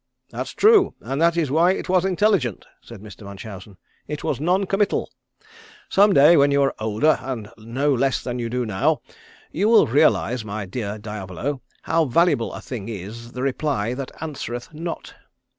"That's true, and that is why it was intelligent," said Mr. Munchausen. "It was noncommittal. Some day when you are older and know less than you do now, you will realise, my dear Diavolo, how valuable a thing is the reply that answereth not."